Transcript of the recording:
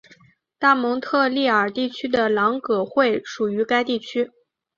大蒙特利尔地区的朗格惠属于该地区。